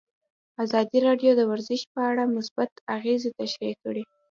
ازادي راډیو د ورزش په اړه مثبت اغېزې تشریح کړي.